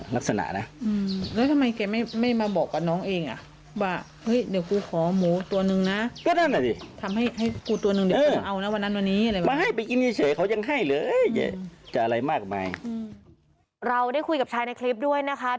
ลูกน้องเรียกมาไกล่เกลี่ยหนึ่งรอบเป็นลูกน้องเรียกมาไกล่เกลี่ยหนึ่งรอบเป็นลูกน้อง